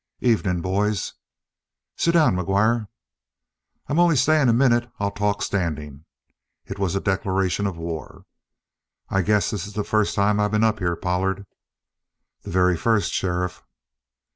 "Evening, boys." "Sit down, McGuire." "I'm only staying a minute. I'll talk standing." It was a declaration of war. "I guess this is the first time I been up here, Pollard?" "The very first, sheriff."